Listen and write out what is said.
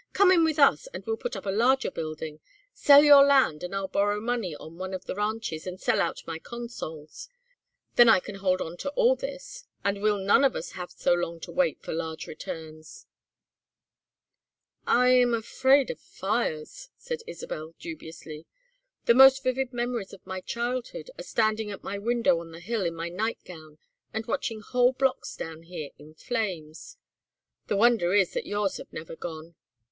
"Come in with us, and we'll put up a larger building. Sell your land and I'll borrow money on one of the ranches, and sell out my Consols. Then I can hold on to all this, and we'll none of us have so long to wait for large returns." "I am afraid of fires," said Isabel, dubiously. "The most vivid memories of my childhood are standing at my window on the Hill in my night gown and watching whole blocks down here in flames. The wonder is that yours have never gone.